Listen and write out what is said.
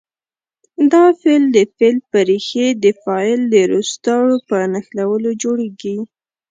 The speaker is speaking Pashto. دا فعل د فعل په ریښې د فاعل د روستارو په نښلولو جوړیږي.